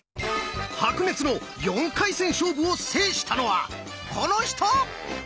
白熱の４回戦勝負を制したのはこの人！